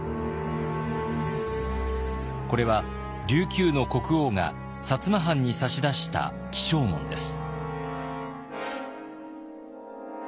これは琉球の国王が摩藩に差し出した起請文です。